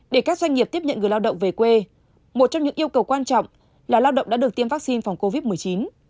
để các doanh nghiệp tiếp nhận người lao động về quê một trong những yêu cầu quan trọng là lao động đã được tiêm vaccine phòng covid một mươi chín